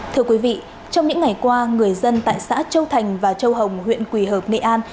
thưa quý vị trong những ngày qua người dân tại xã châu thành và châu hồng huyện quỳ hợp nghệ an